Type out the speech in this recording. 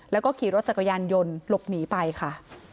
แล้วก็ขี่รถจักรยานยนต์หลบหนีไปค่ะ